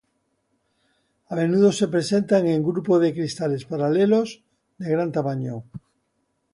A menudo se presenta en grupos de cristales paralelos de gran tamaño.